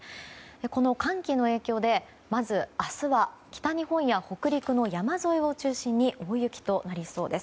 この寒気の影響で明日は北日本や北陸山沿い中心に大雪となりそうです。